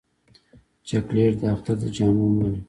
چاکلېټ د اختر د جامو مل وي.